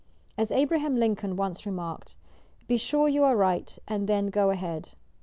As Abraham Lincoln once remarked: "Be sure you are right and then go ahead!"